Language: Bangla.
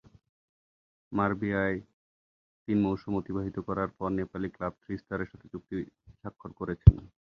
মারবেয়ায় তিন মৌসুম অতিবাহিত করার পর নেপালি ক্লাব থ্রি স্টারের সাথে চুক্তি স্বাক্ষর করেছেন।